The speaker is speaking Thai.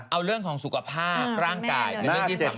เอาเรื่องของสุขภาพร่างกายก่อน